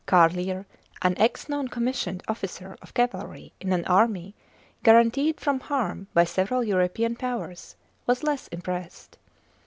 Carlier, an ex non commissioned officer of cavalry in an army guaranteed from harm by several European Powers, was less impressed.